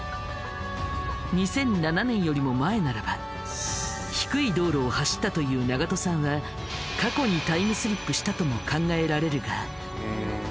２００７年よりも前ならば低い道路を走ったという長門さんは過去にタイムスリップしたとも考えられるが。